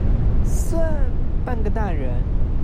算半個大人